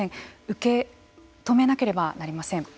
受け止めなければなりません。